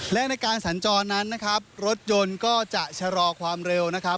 และในการสัญจรนั้นนะครับรถยนต์ก็จะชะลอความเร็วนะครับ